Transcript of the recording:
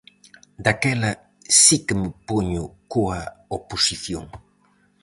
Daquela si que me poño coa oposición.